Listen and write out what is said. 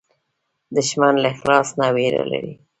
دښمن له اخلاص نه وېره لري